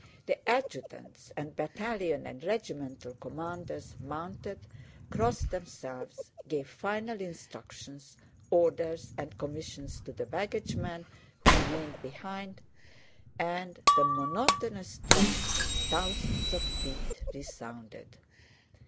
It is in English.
The adjutants and battalion and regimental commanders mounted, crossed themselves, gave final instructions, orders, and commissions to the baggage men who remained behind, and the monotonous tramp of thousands of feet resounded.